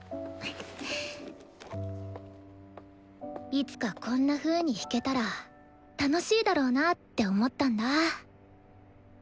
「いつかこんなふうに弾けたら楽しいだろうな」って思ったんだ。